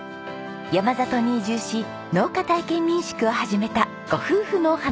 山里に移住し農家体験民宿を始めたご夫婦のお話。